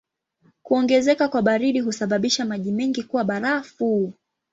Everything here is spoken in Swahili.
Kuongezeka kwa baridi husababisha maji mengi kuwa barafu.